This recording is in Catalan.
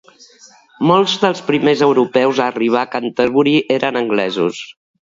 Molts dels primers europeus a arribar a Canterbury eren anglesos.